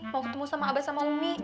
mau ketemu sama aba sama ummi